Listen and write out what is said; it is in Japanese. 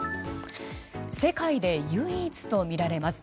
世界で唯一とみられます。